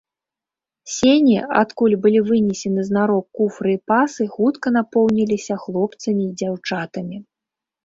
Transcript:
Сені, адкуль былі вынесены знарок куфры і пасы, хутка напоўніліся хлопцамі і дзяўчатамі.